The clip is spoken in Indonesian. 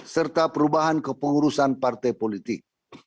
serta perubahan kepengurusan partai politik